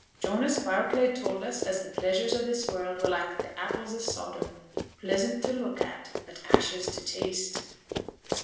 'Jonas Barclay told us as the pleasures o' this world were like apples o' Sodom, pleasant to look at, but ashes to taste.'